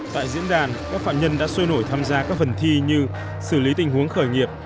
tại diễn đàn các phạm nhân đã sôi nổi tham gia các phần thi như xử lý tình huống khởi nghiệp